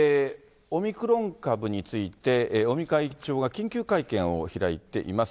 オミクロン株について、尾身会長が緊急会見を開いています。